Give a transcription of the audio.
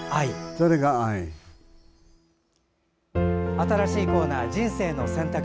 新しいコーナー「人生の選択」。